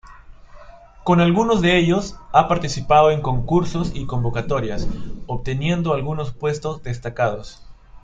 Con algunos de ellos ha participado en concursos y convocatorias, obteniendo algunos puestos destacados.